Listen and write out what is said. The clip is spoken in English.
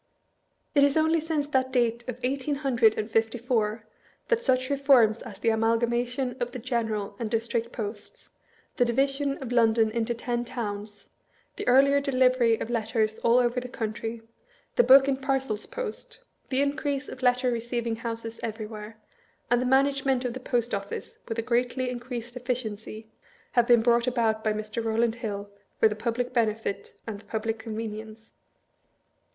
It is only since that date of eighteen hundred and fifty four, that such reforms as the amalgamation of the general and district posts, the division of London into ten towns, the earlier delivery of letters all over the country, the book and parcels post, the increase of letter receiving houses everywhere, and the management of MISPRINT IN THE EDINBUEGH REVIEW, 285 tfie Post Office with a greatly increased efSciency, have been brought about by Mr. Eowland Hill for the public benefit and the public convenience.